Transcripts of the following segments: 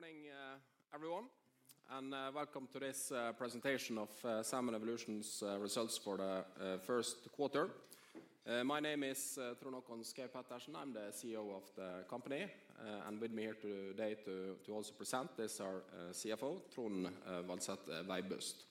Okay, good morning, everyone, and welcome to this presentation of Salmon Evolution's results for the Q1. My name is Trond Håkon Schaug-Pettersen. I'm the CEO of the company, and with me here today to also present is our CFO, Trond Vadset Veibust.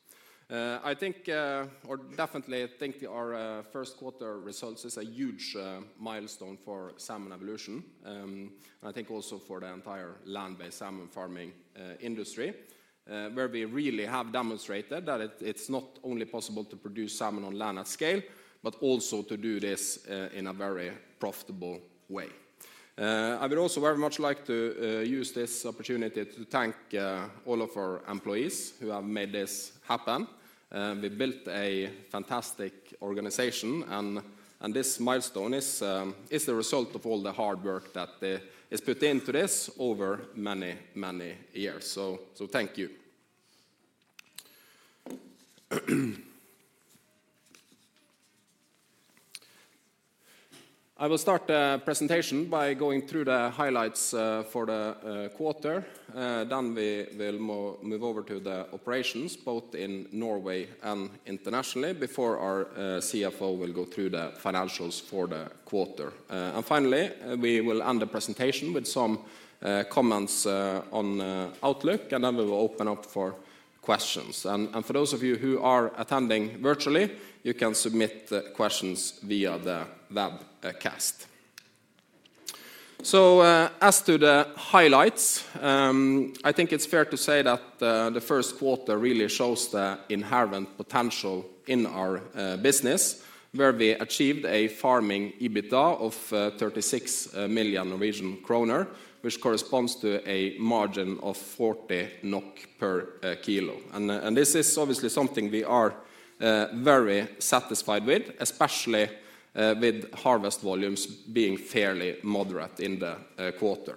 I think, or definitely think our Q1 results is a huge milestone for Salmon Evolution, and I think also for the entire land-based salmon farming industry, where we really have demonstrated that it's not only possible to produce salmon on land at scale, but also to do this in a very profitable way. I would also very much like to use this opportunity to thank all of our employees who have made this happen We built a fantastic organization, and this milestone is the result of all the hard work that is put into this over many, many years. So thank you. I will start the presentation by going through the highlights for the quarter. Then we will move over to the operations, both in Norway and internationally, before our CFO will go through the financials for the quarter. And finally, we will end the presentation with some comments on outlook, and then we will open up for questions. And for those of you who are attending virtually, you can submit the questions via the webcast. So, as to the highlights, I think it's fair to say that the Q1 really shows the inherent potential in our business, where we achieved a Farming EBITDA of 36 million Norwegian kroner, which corresponds to a margin of 40 NOK per kilo. And this is obviously something we are very satisfied with, especially with harvest volumes being fairly moderate in the quarter.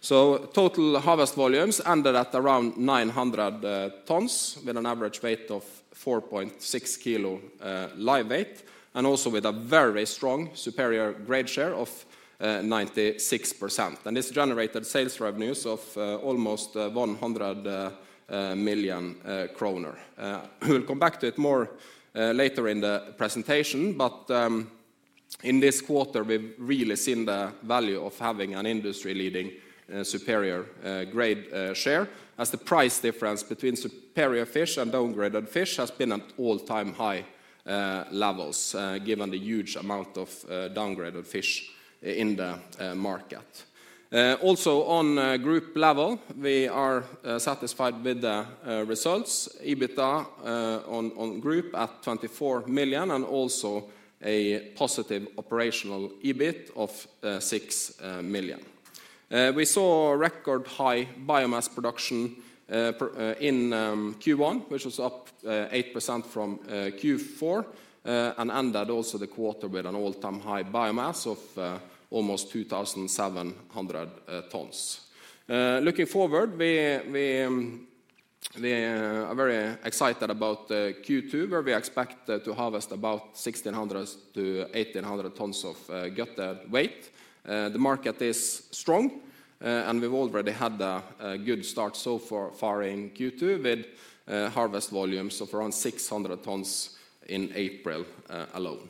So total harvest volumes ended at around 900 tons, with an average weight of 4.6 kilolive weight, and also with a very strong superior grade share of 96%. And this generated sales revenues of almost 100 million kroner. We'll come back to it more later in the presentation, but in this quarter, we've really seen the value of having an industry-leading superior grade share, as the price difference between superior fish and downgraded fish has been at all-time high levels, given the huge amount of downgraded fish in the market. Also on a group level, we are satisfied with the results. EBITDA on group at 24 million, and also a positive operational EBIT of 6 million. We saw record high biomass production in Q1, which was up 8% from Q4, and ended also the quarter with an all-time high biomass of almost 2,700 tons. Looking forward, we are very excited about the Q2, where we expect to harvest about 1,600 to 1,800 tons of gutted weight. The market is strong, and we've already had a good start so far in Q2, with harvest volumes of around 600 tons in April alone.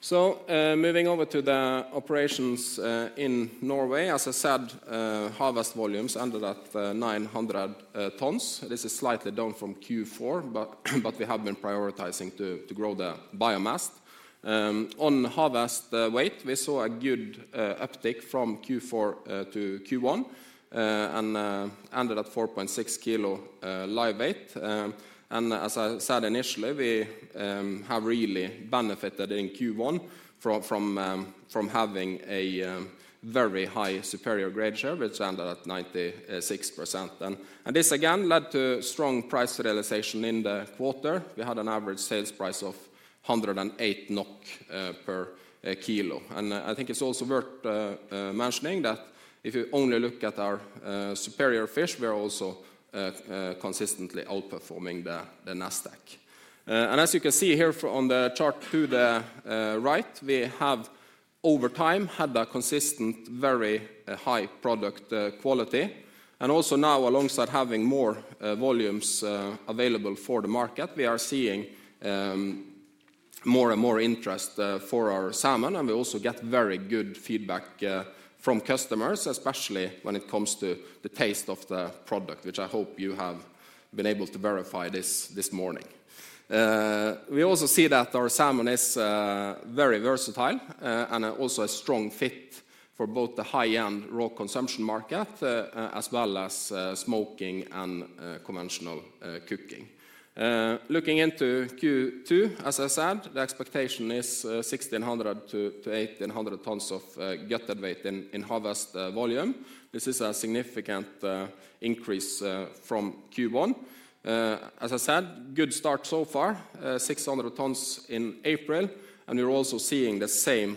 So, moving over to the operations in Norway, as I said, harvest volumes ended at 900 tons. This is slightly down from Q4, but we have been prioritizing to grow the biomass. On harvest weight, we saw a good uptick from Q4 to Q1, and ended at 4.6 kg live weight. As I said initially, we have really benefited in Q1 from having a very high superior grade share, which ended at 96% then. This again led to strong price realization in the quarter. We had an average sales price of 108 NOK per kilo. I think it's also worth mentioning that if you only look at our superior fish, we are also consistently outperforming the NASDAQ. And as you can see here on the chart to the right, we have over time had a consistent, very high product quality, and also now alongside having more volumes available for the market, we are seeing more and more interest for our salmon, and we also get very good feedback from customers, especially when it comes to the taste of the product, which I hope you have been able to verify this morning. We also see that our salmon is very versatile and also a strong fit for both the high-end raw consumption market as well as smoking and conventional cooking. Looking into Q2, as I said, the expectation is 1,600 to 1,800 tons of gutted weight in harvest volume. This is a significant increase from Q1. As I said, good start so far, 600 tons in April, and we're also seeing the same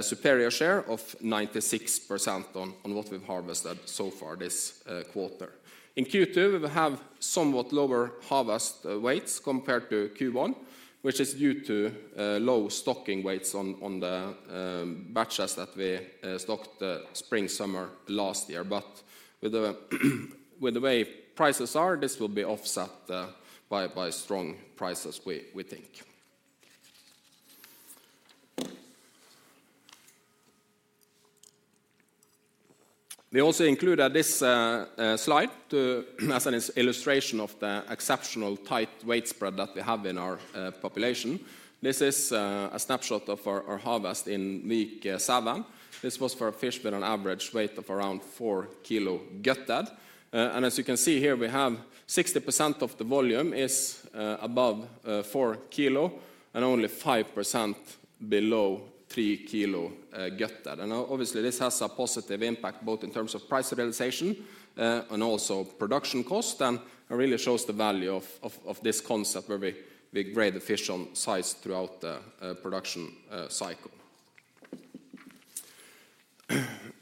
superior share of 96% on what we've harvested so far this quarter. In Q2, we have somewhat lower harvest weights compared to Q1, which is due to low stocking weights on the batches that we stocked the spring, summer last year. But with the way prices are, this will be offset by strong prices, we think. We also included this slide to as an illustration of the exceptional tight weight spread that we have in our population. This is a snapshot of our harvest in week seven. This was for a fish with an average weight of around 4 kilo gutted. And as you can see here, we have 60% of the volume is above 4 kilo and only 5% below 3 kilo gutted. And obviously, this has a positive impact, both in terms of price realization and also production cost, and it really shows the value of this concept where we grade the fish on size throughout the production cycle.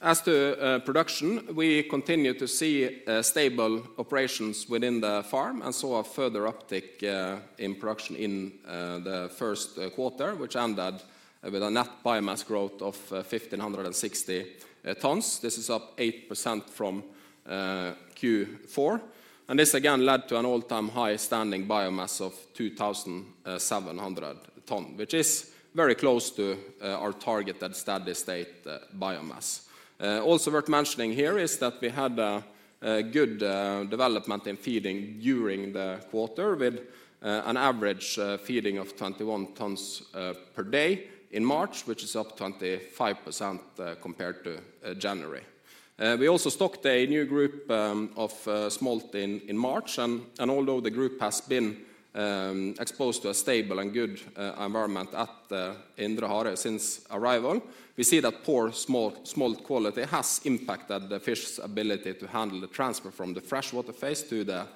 As to production, we continue to see stable operations within the farm, and so a further uptick in production in the Q1, which ended with a net biomass growth of 1,560 tons. This is up 8% from Q4, and this again led to an all-time high standing biomass of 2,700 tons, which is very close to our target at steady state biomass. Also worth mentioning here is that we had a good development in feeding during the quarter, with an average feeding of 21 tons per day in March, which is up 25% compared to January. We also stocked a new group of smolt in March, and although the group has been exposed to a stable and good environment at Indre Harøy since arrival, we see that poor smolt quality has impacted the fish's ability to handle the transfer from the freshwater phase to the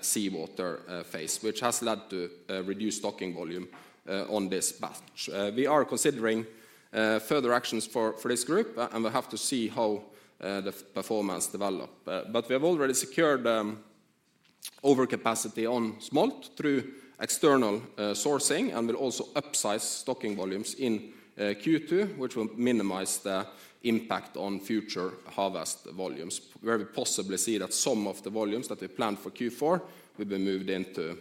seawater phase, which has led to reduced stocking volume on this batch. We are considering further actions for this group, and we have to see how the performance develop. But we have already secured overcapacity on smolt through external sourcing, and we'll also upsize stocking volumes in Q2, which will minimize the impact on future harvest volumes, where we possibly see that some of the volumes that we planned for Q4 will be moved into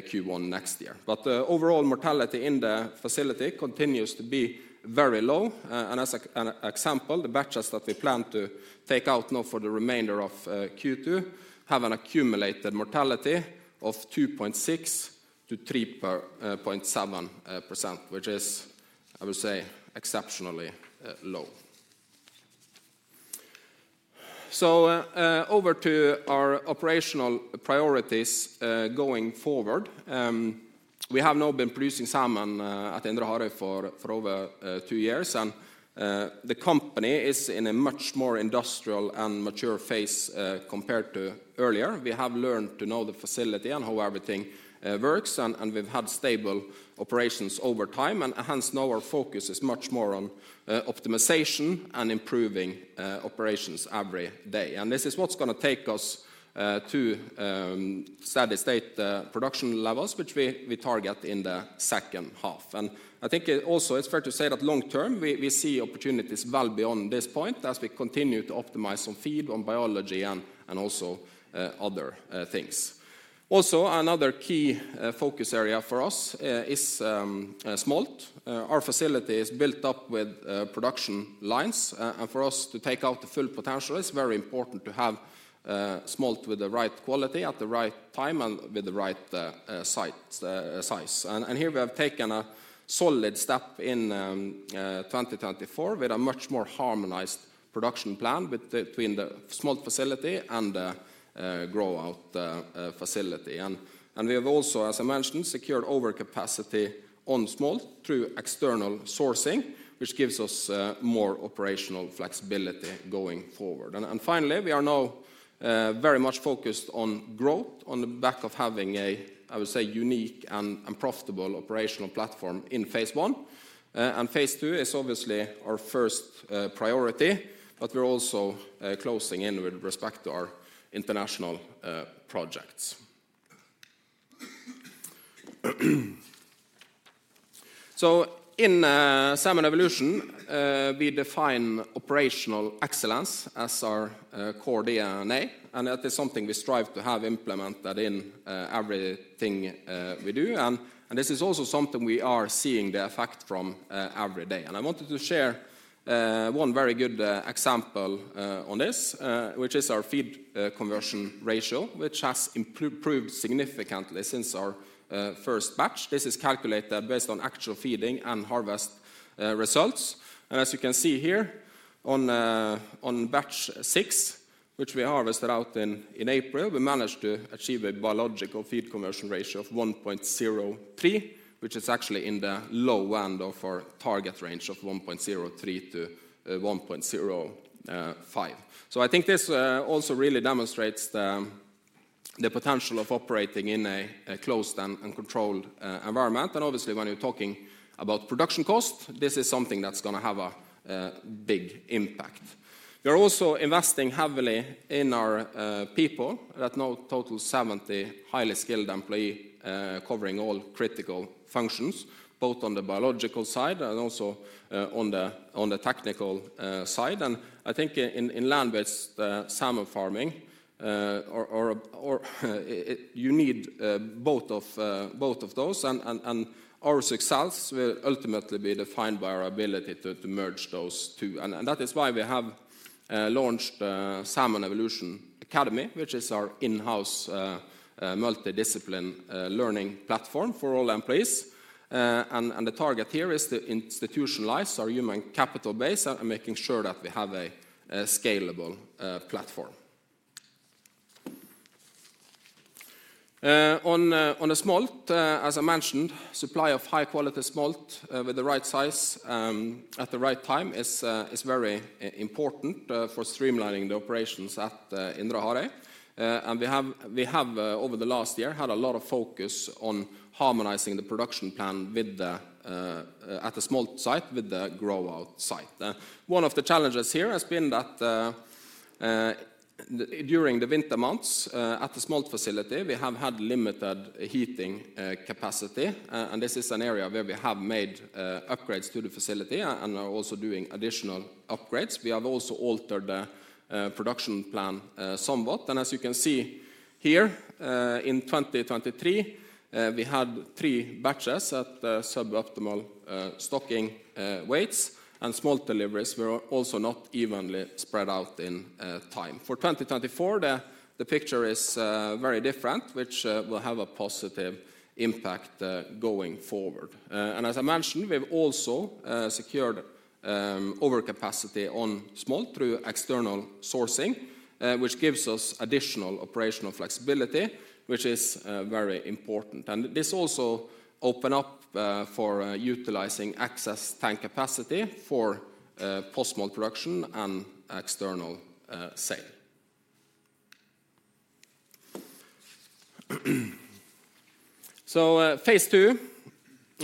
Q1 next year. But the overall mortality in the facility continues to be very low. And as an example, the batches that we plan to take out now for the remainder of Q2 have an accumulated mortality of 2.6% to 3.7%, which is, I would say, exceptionally low. So, over to our operational priorities going forward. We have now been producing salmon at Indre Harøy for over 2 years, and the company is in a much more industrial and mature phase compared to earlier. We have learned to know the facility and how everything works, and we've had stable operations over time, and hence, now our focus is much more on optimization and improving operations every day. This is what's gonna take us to steady state production levels, which we target in the second half. And I think it also, it's fair to say that long term, we see opportunities well beyond this point as we continue to optimize on feed, on biology, and also other things. Also, another key focus area for us is smolt. Our facility is built up with production lines, and for us to take out the full potential, it's very important to have smolt with the right quality at the right time and with the right size. And here we have taken a solid step in 2024, with a much more harmonized production plan between the smolt facility and the grow out facility. We have also, as I mentioned, secured overcapacity on smolt through external sourcing, which gives us more operational flexibility going forward. Finally, we are now very much focused on growth on the back of having a, I would say, unique and profitable operational platform in phase one. And phase two is obviously our first priority, but we're also closing in with respect to our international projects. So in Salmon Evolution, we define operational excellence as our core DNA, and that is something we strive to have implemented in everything we do. And this is also something we are seeing the effect from every day. I wanted to share one very good example on this, which is our feed conversion ratio, which has improved significantly since our first batch. This is calculated based on actual feeding and harvest results. And as you can see here, on batch 6, which we harvested out in April, we managed to achieve a biological feed conversion ratio of 1.03, which is actually in the low end of our target range of 1.03 to 1.05. So I think this also really demonstrates the potential of operating in a closed and controlled environment. And obviously, when you're talking about production cost, this is something that's gonna have a big impact. We are also investing heavily in our people that now total 70 highly skilled employee, covering all critical functions, both on the biological side and also on the technical side. And I think in land-based salmon farming, you need both of those, and our success will ultimately be defined by our ability to merge those two. And that is why we have launched the Salmon Evolution Academy, which is our in-house multi-discipline learning platform for all employees. And the target here is to institutionalize our human capital base and making sure that we have a scalable platform. On the smolt, as I mentioned, supply of high quality smolt with the right size, at the right time is very important for streamlining the operations at Indre Harøy. We have over the last year had a lot of focus on harmonizing the production plan with the at the smolt site, with the grow out site. One of the challenges here has been that during the winter months at the smolt facility, we have had limited heating capacity, and this is an area where we have made upgrades to the facility, and are also doing additional upgrades. We have also altered the production plan somewhat. As you can see here, in 2023, we had 3 batches at suboptimal stocking weights, and smolt deliveries were also not evenly spread out in time. For 2024, the picture is very different, which will have a positive impact going forward. As I mentioned, we've also secured overcapacity on smolt through external sourcing, which gives us additional operational flexibility, which is very important. And this also open up for utilizing excess tank capacity for post smolt production and external sale. So, phase two,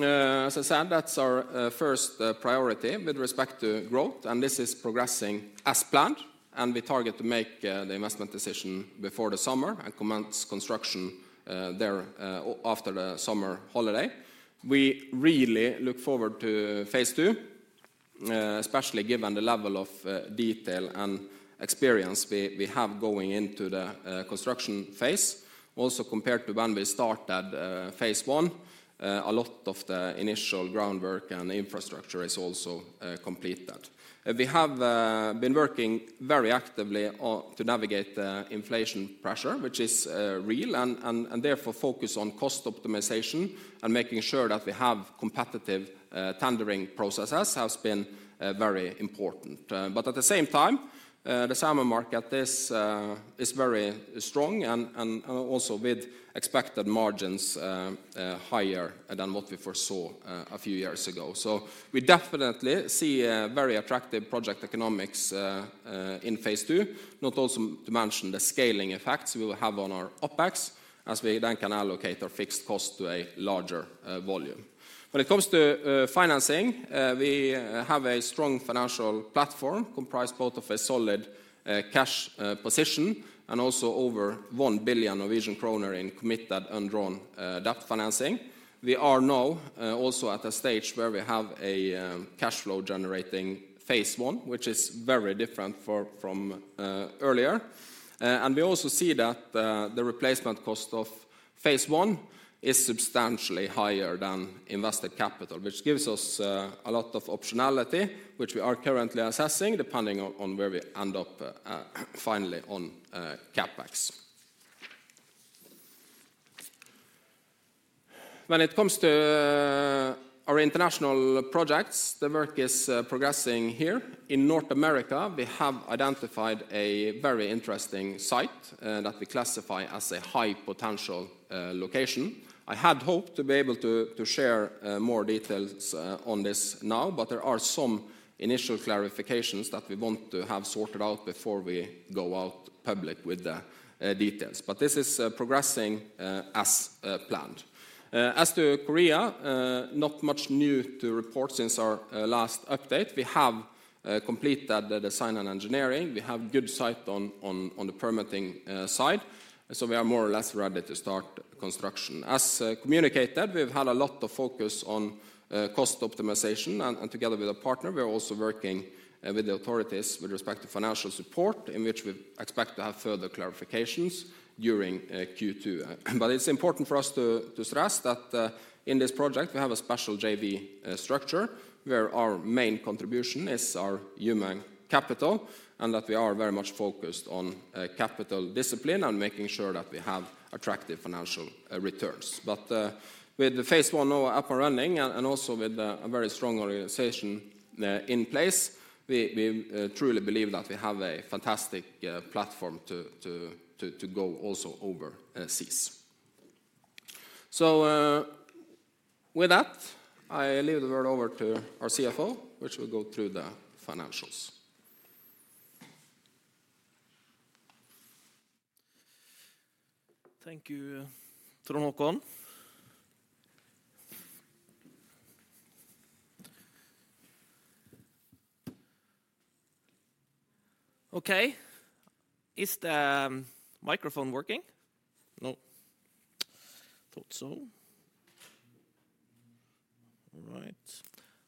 as I said, that's our first priority with respect to growth, and this is progressing as planned, and we target to make the investment decision before the summer, and commence construction there after the summer holiday. We really look forward to phase II, especially given the level of detail and experience we have going into the construction phase. Also, compared to when we started phase I, a lot of the initial groundwork and infrastructure is also completed. We have been working very actively on to navigate the inflation pressure, which is real, and therefore, focus on cost optimization and making sure that we have competitive tendering processes has been very important. But at the same time, the salmon market is very strong, and also with expected margins higher than what we foresaw a few years ago. So we definitely see a very attractive project economics in phase two, not also to mention the scaling effects we will have on our OpEx, as we then can allocate our fixed cost to a larger volume. When it comes to financing, we have a strong financial platform comprised both of a solid cash position, and also over 1 billion Norwegian kroner in committed undrawn debt financing. We are now also at a stage where we have a cash flow generating phase one, which is very different from earlier. And we also see that the replacement cost of phase one is substantially higher than invested capital, which gives us a lot of optionality, which we are currently assessing, depending on where we end up finally on CapEx. When it comes to our international projects, the work is progressing here. In North America, we have identified a very interesting site that we classify as a high potential location. I had hoped to be able to share more details on this now, but there are some initial clarifications that we want to have sorted out before we go public with the details. But this is progressing as planned. As to Korea, not much new to report since our last update. We have completed the design and engineering. We have good sight on the permitting side, so we are more or less ready to start construction. As communicated, we've had a lot of focus on cost optimization, and together with a partner, we are also working with the authorities with respect to financial support, in which we expect to have further clarifications during Q2. But it's important for us to stress that in this project, we have a special JV structure, where our main contribution is our human capital, and that we are very much focused on capital discipline and making sure that we have attractive financial returns. But with the phase I now up and running, and also with a very strong organization in place, we truly believe that we have a fantastic platform to go also overseas.... So, with that, I leave the word over to our CFO, which will go through the financials. Thank you, Trond Håkon. Okay, is the microphone working? No. Thought so. All right.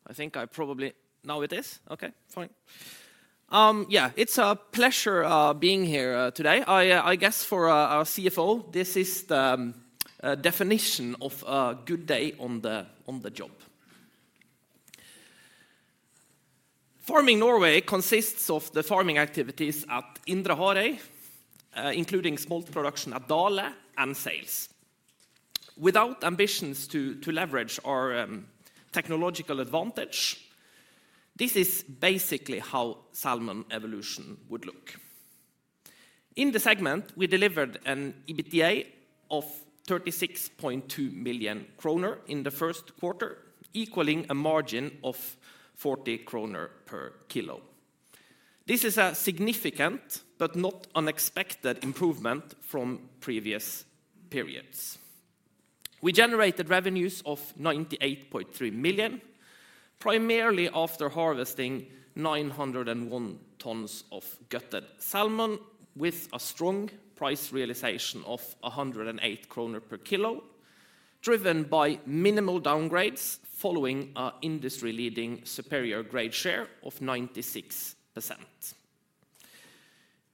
I think I probably—now it is? Okay, fine. Yeah, it's a pleasure being here today. I guess for our CFO, this is the definition of a good day on the job. Farming Norway consists of the farming activities at Indre Harøy, including smolt production at Dale and sales. Without ambitions to leverage our technological advantage, this is basically how Salmon Evolution would look. In the segment, we delivered an EBITDA of 36.2 million kroner in the Q1, equaling a margin of 40 kroner per kilo. This is a significant, but not unexpected, improvement from previous periods. We generated revenues of 98.3 million, primarily after harvesting 901 tons of gutted salmon, with a strong price realization of 108 kroner per kilo, driven by minimal downgrades following our industry-leading superior grade share of 96%.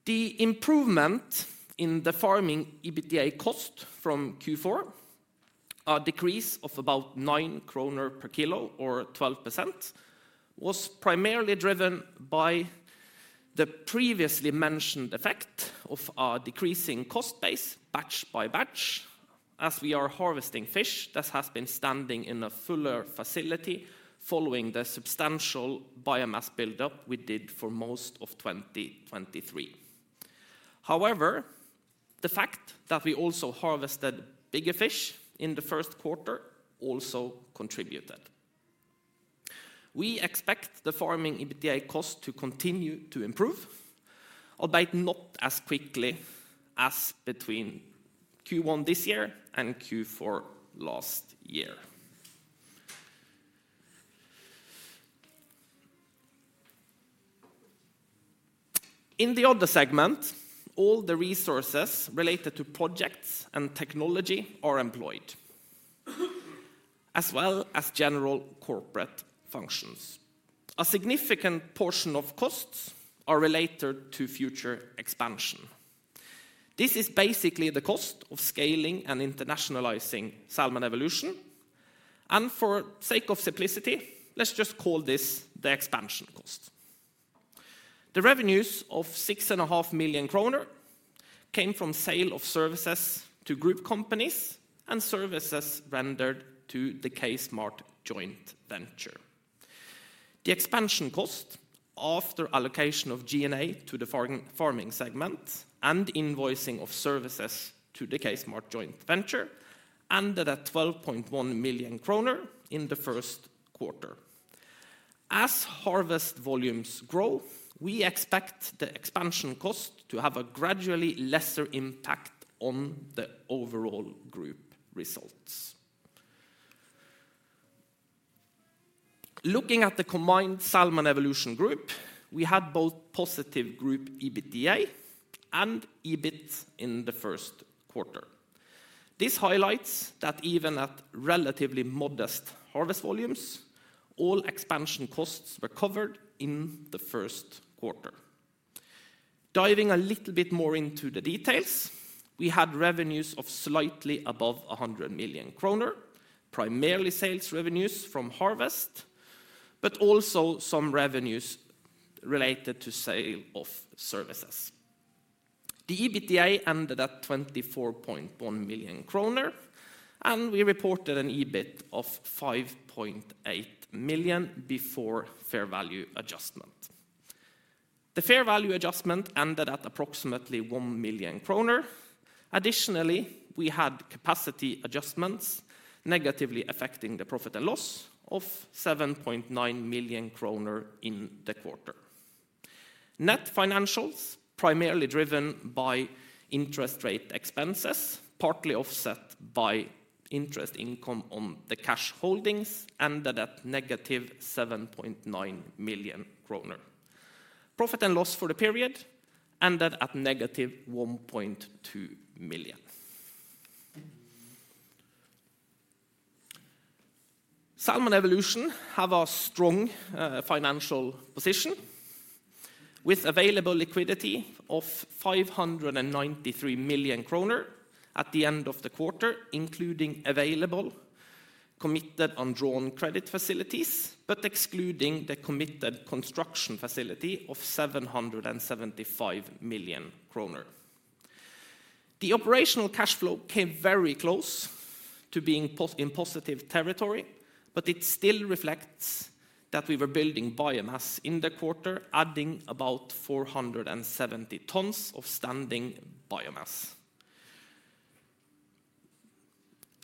The improvement in the farming EBITDA cost from Q4, a decrease of about 9 kroner per kilo or 12%, was primarily driven by the previously mentioned effect of our decreasing cost base, batch by batch, as we are harvesting fish that has been standing in a fuller facility following the substantial biomass buildup we did for most of 2023. However, the fact that we also harvested bigger fish in the Q1 also contributed. We expect the farming EBITDA cost to continue to improve, albeit not as quickly as between Q1 this year and Q4 last year. In the other segment, all the resources related to projects and technology are employed, as well as general corporate functions. A significant portion of costs are related to future expansion. This is basically the cost of scaling and internationalizing Salmon Evolution, and for sake of simplicity, let's just call this the expansion cost. The revenues of 6.5 million kroner came from sale of services to group companies and services rendered to the K Smart joint venture. The expansion cost, after allocation of G&A to the farming segment and invoicing of services to the KSmart joint venture, ended at 12.1 million kroner in the Q1. As harvest volumes grow, we expect the expansion cost to have a gradually lesser impact on the overall group results. Looking at the combined Salmon Evolution group, we had both positive group EBITDA and EBIT in the Q1. This highlights that even at relatively modest harvest volumes, all expansion costs were covered in the Q1. Diving a little bit more into the details, we had revenues of slightly above 100 million kroner, primarily sales revenues from harvest, but also some revenues related to sale of services. The EBITDA ended at 24.1 million kroner, and we reported an EBIT of 5.8 million before fair value adjustment. The fair value adjustment ended at approximately 1 million kroner. Additionally, we had capacity adjustments negatively affecting the profit and loss of 7.9 million kroner in the quarter. Net financials, primarily driven by interest rate expenses, partly offset by interest income on the cash holdings, ended at negative 7.9 million kroner. Profit and loss for the period ended at negative 1.2 million. Salmon Evolution have a strong financial position, with available liquidity of 593 million kroner at the end of the quarter, including available committed undrawn credit facilities, but excluding the committed construction facility of 775 million kroner. The operational cash flow came very close to being positive, but it still reflects that we were building biomass in the quarter, adding about 470 tons of standing biomass.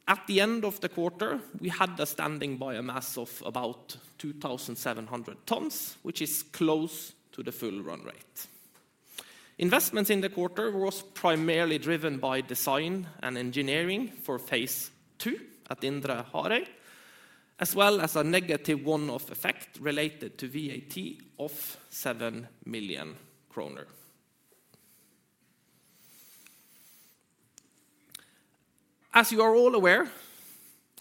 At the end of the quarter, we had a standing biomass of about 2,700 tons, which is close to the full run rate. Investments in the quarter was primarily driven by design and engineering for phase II at Indre Harøy, as well as a negative one-off effect related to VAT of 7 million kroner. As you are all aware,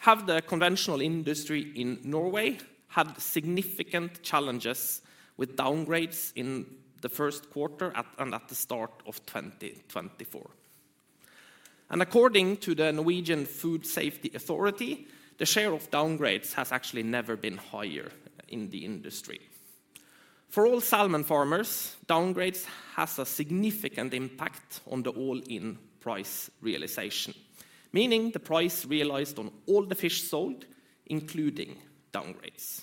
have the conventional industry in Norway had significant challenges with downgrades in the Q1, and at the start of 2024. According to the Norwegian Food Safety Authority, the share of downgrades has actually never been higher in the industry. For all salmon farmers, downgrades has a significant impact on the all-in price realization, meaning the price realized on all the fish sold, including downgrades.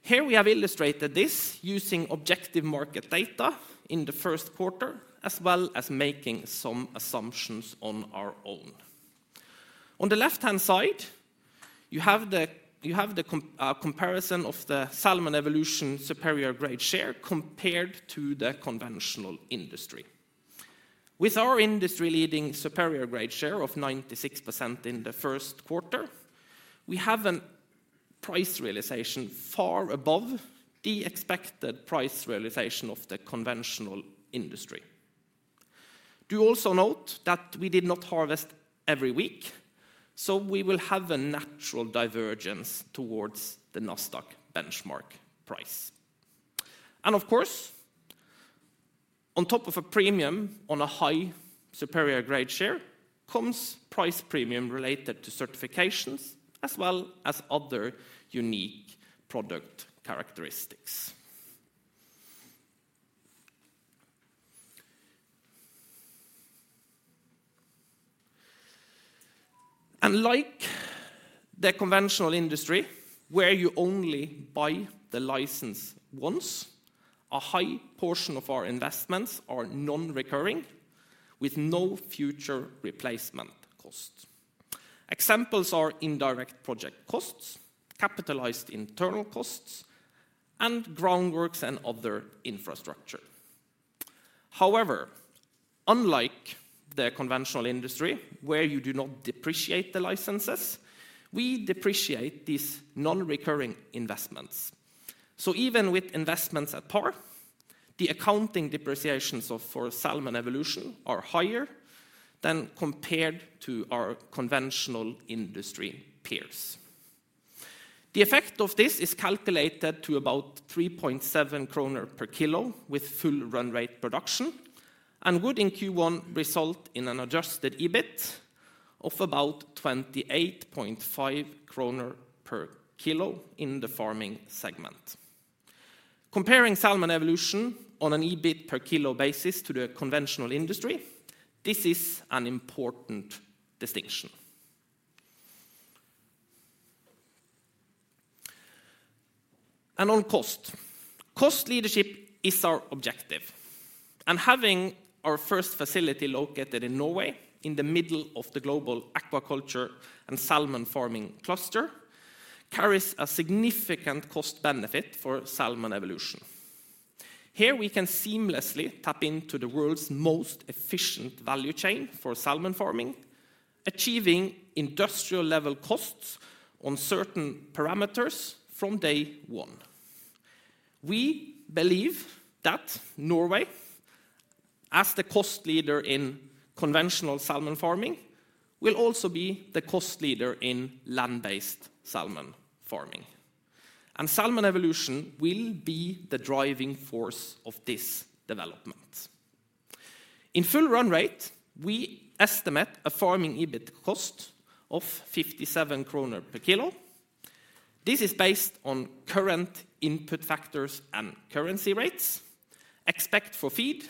Here we have illustrated this using objective market data in the Q1, as well as making some assumptions on our own. On the left-hand side, you have the comparison of the Salmon Evolution superior grade share compared to the conventional industry. With our industry-leading superior grade share of 96% in the Q1, we have a price realization far above the expected price realization of the conventional industry. Note also that we did not harvest every week, so we will have a natural divergence towards the NorStock benchmark price. Of course, on top of a premium on a high superior grade share, comes price premium related to certifications, as well as other unique product characteristics. Like the conventional industry, where you only buy the license once, a high portion of our investments are non-recurring, with no future replacement cost. Examples are indirect project costs, capitalized internal costs, and groundworks and other infrastructure. However, unlike the conventional industry, where you do not depreciate the licenses, we depreciate these non-recurring investments. Even with investments at par, the accounting depreciations of Salmon Evolution are higher than compared to our conventional industry peers. The effect of this is calculated to about 3.7 kroner per kilo with full run rate production, and would in Q1 result in an adjusted EBIT of about 28.5 kroner per kilo in the farming segment. Comparing Salmon Evolution on an EBIT per kilo basis to the conventional industry, this is an important distinction. And on cost. Cost leadership is our objective, and having our first facility located in Norway, in the middle of the global aquaculture and salmon farming cluster, carries a significant cost benefit for Salmon Evolution. Here, we can seamlessly tap into the world's most efficient value chain for salmon farming, achieving industrial-level costs on certain parameters from day one. We believe that Norway, as the cost leader in conventional salmon farming, will also be the cost leader in land-based salmon farming, and Salmon Evolution will be the driving force of this development. In full run rate, we estimate a farming EBIT cost of 57 kroner per kilo. This is based on current input factors and currency rates, except for feed,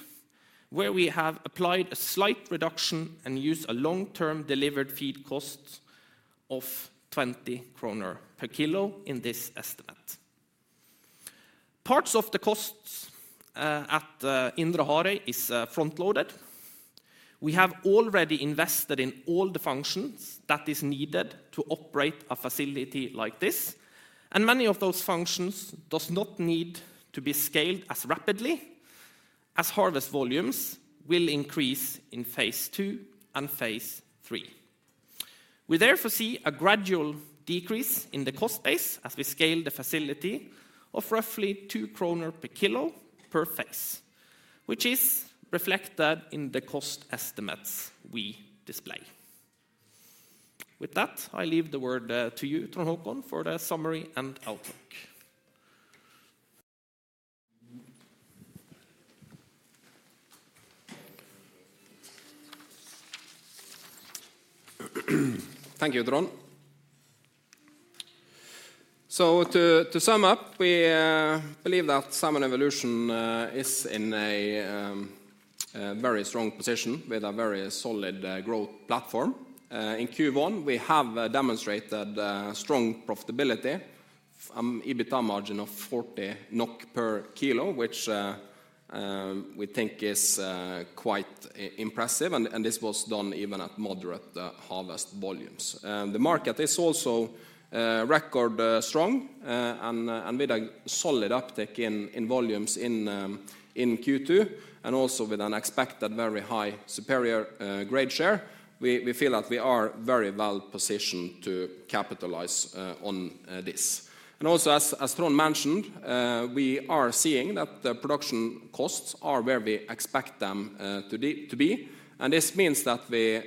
where we have applied a slight reduction and used a long-term delivered feed cost of 20 kroner per kilo in this estimate. Parts of the costs at Indre Harøy is front-loaded. We have already invested in all the functions that is needed to operate a facility like this, and many of those functions does not need to be scaled as rapidly as harvest volumes will increase in phase II and phase III. We therefore see a gradual decrease in the cost base as we scale the facility of roughly 2 kroner per kilo per phase, which is reflected in the cost estimates we display. With that, I leave the floor to you, Trond Håkon, for the summary and outlook. Thank you, Trond. So to sum up, we believe that Salmon Evolution is in a very strong position with a very solid growth platform. In Q1, we have demonstrated strong profitability, EBITDA margin of 40 NOK per kilo, which we think is quite impressive, and this was done even at moderate harvest volumes. The market is also record strong, and with a solid uptick in volumes in Q2, and also with an expected very high superior grade share, we feel that we are very well-positioned to capitalize on this. Also, as Trond mentioned, we are seeing that the production costs are where we expect them to be, and this means that we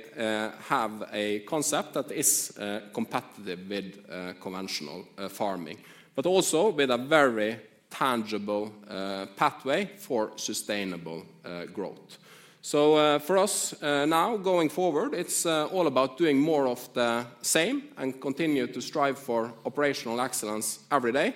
have a concept that is competitive with conventional farming, but also with a very tangible pathway for sustainable growth. For us now going forward, it's all about doing more of the same and continue to strive for operational excellence every day.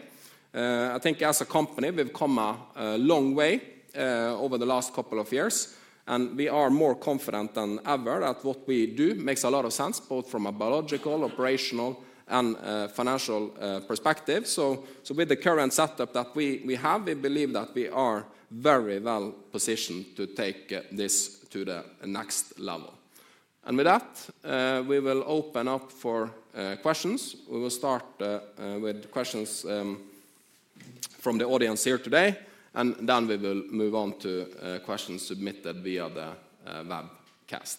I think as a company, we've come a long way over the last couple of years, and we are more confident than ever that what we do makes a lot of sense, both from a biological, operational, and financial perspective. With the current setup that we have, we believe that we are very well-positioned to take this to the next level. With that, we will open up for questions. We will start with questions from the audience here today, and then we will move on to questions submitted via the webcast.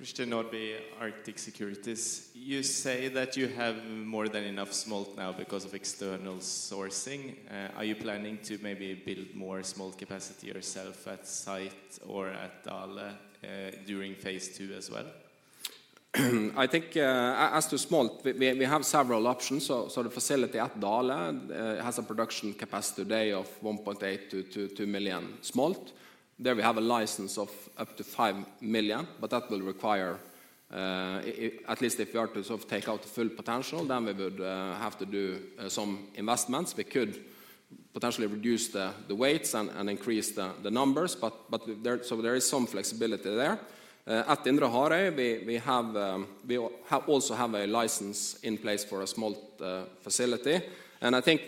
Christian Olsen Nordby, Arctic Securities. You say that you have more than enough smolt now because of external sourcing. Are you planning to maybe build more smolt capacity yourself at site or at Dale, during phase II as well? I think, as to smolt, we have several options. The facility at Dale has a production capacity today of 1.8 to 2.2 million smolt. There we have a license of up to 5 million, but that will require at least if we are to sort of take out the full potential, then we would have to do some investments. We could potentially reduce the weights and increase the numbers, but there is some flexibility there. At Indre Harøy, we also have a license in place for a smolt facility, and I think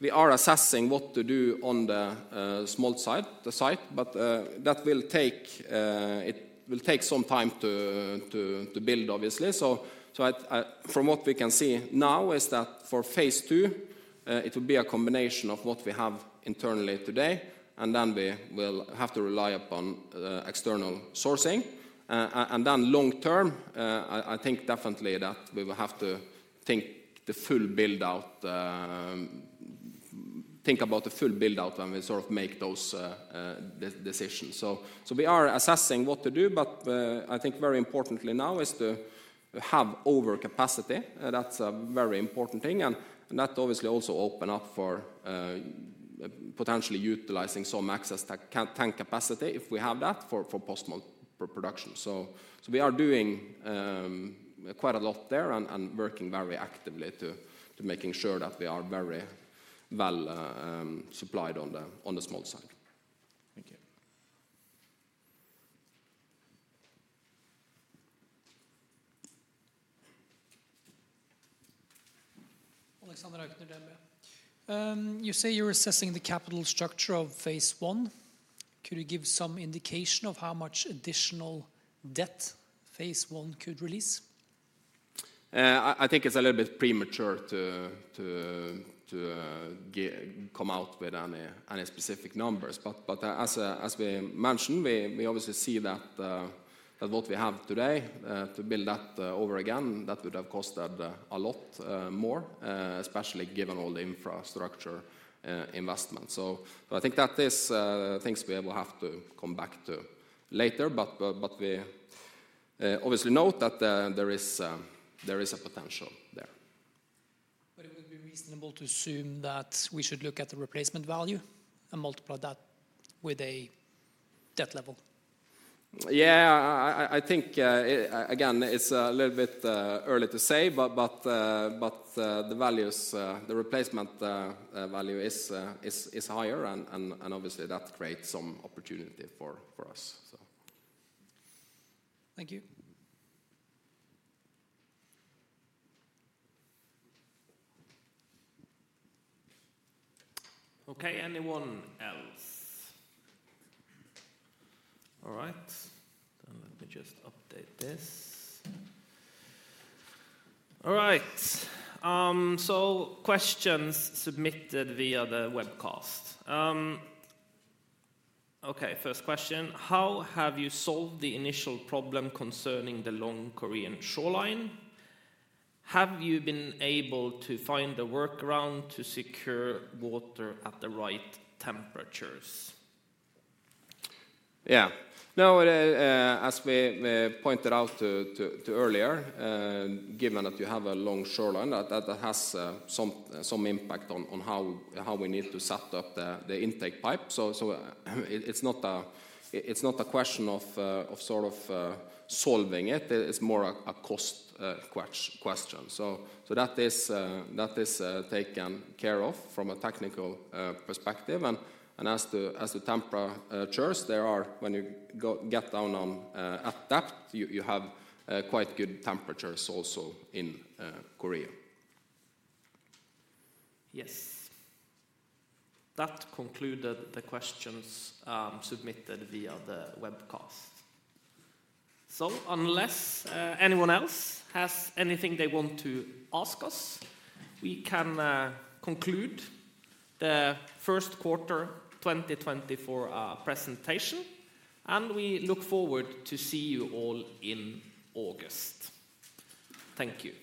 we are assessing what to do on the smolt side, the site, but that will take some time to build, obviously. From what we can see now is that for phase two, it will be a combination of what we have internally today, and then we will have to rely upon external sourcing. And then long term, I think definitely that we will have to think the full build-out, think about the full build-out when we sort of make those decisions. So we are assessing what to do, but I think very importantly now is to have overcapacity. That's a very important thing, and that obviously also open up for potentially utilizing some excess tank capacity, if we have that, for post smolt production. So we are doing quite a lot there and working very actively to making sure that we are very well supplied on the smolt side. Thank you. Alexander Aukner, DNB. You say you're assessing the capital structure of phase I. Could you give some indication of how much additional debt phase I could release? I think it's a little bit premature to come out with any specific numbers, but as we mentioned, we obviously see that what we have today to build that over again would have costed a lot more, especially given all the infrastructure investment. But I think that is things we will have to come back to later, but we obviously note that there is a potential there. It would be reasonable to assume that we should look at the replacement value and multiply that with a debt level? Yeah, I think, again, it's a little bit early to say, but the values, the replacement value is higher, and obviously, that creates some opportunity for us, so. Thank you. Okay, anyone else? All right, let me just update this. All right. So questions submitted via the webcast. Okay, first question: How have you solved the initial problem concerning the long Korean shoreline? Have you been able to find a workaround to secure water at the right temperatures? Yeah. Now, as we pointed out earlier, given that you have a long shoreline, that has some impact on how we need to set up the intake pipe. So, it's not a question of sort of solving it. It is more a cost question. So, that is taken care of from a technical perspective, and as to temperatures, there are when you get down at depth, you have quite good temperatures also in Korea. Yes. That concluded the questions, submitted via the webcast. So unless anyone else has anything they want to ask us, we can conclude the Q1 2024, presentation, and we look forward to see you all in August. Thank you.